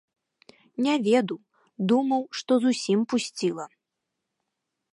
Не ведаў, думаў, што зусім пусціла.